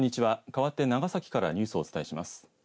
かわって長崎からのニュースをお伝えします。